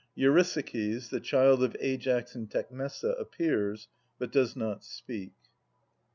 EuRYSAKiis, the child of Aias and Tecmessa, appears, hut does not speak.